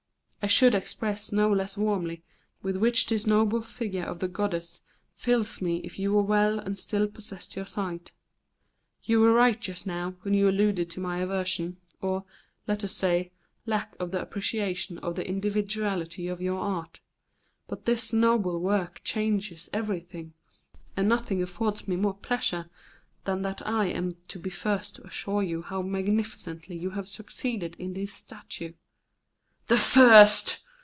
"I should express no less warmly the ardent admiration with which this noble figure of the goddess fills me if you were well and still possessed your sight. You were right just now when you alluded to my aversion, or, let us say, lack of appreciation of the individuality of your art; but this noble work changes everything, and nothing affords me more pleasure than that I am to be the first to assure you how magnificently you have succeeded in this statue." "The first!"